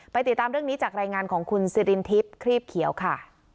ติดตามเรื่องนี้จากรายงานของคุณสิรินทิพย์ครีบเขียวค่ะ